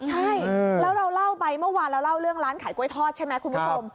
ใช่แล้วเราเล่าไปเมื่อวานเราเล่าเรื่องร้านขายกล้วยทอดใช่ไหมคุณผู้ชม